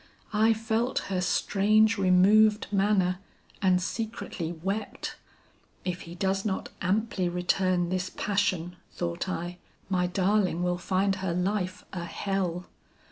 I felt her strange removed manner and secretly wept. 'If he does not amply return this passion,' thought I, 'my darling will find her life a hell!'